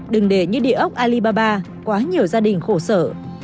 đừng để như địa ốc alibaba quá nhiều gia đình khổ sở